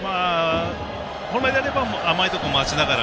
本来であれば甘いところ待ちながら。